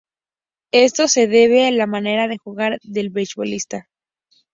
Esto se debe a la manera de jugar del beisbolista.